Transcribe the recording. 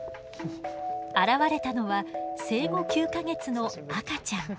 現れたのは生後９か月の赤ちゃん。